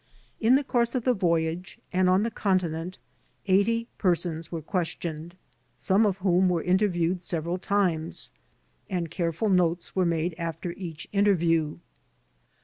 In the course of the voyage and on the continent eighty persons were questioned, some of whom were interviewed several times, and care ful notes were made after each interview.